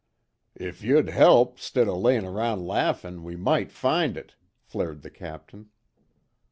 "If you'd help, 'stead of layin' around laughin', we might find it!" flared the Captain.